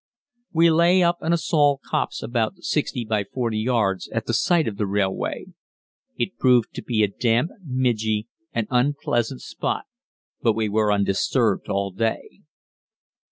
We lay up in a small copse about 60 by 40 yards, at the side of the railway. It proved to be a damp, midgy, and unpleasant spot, but we were undisturbed all day.